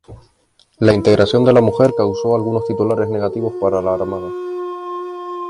La integración de la mujer causó algunos titulares negativos para la Armada.